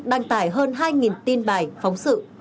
đăng tải hơn hai tin bài phóng sự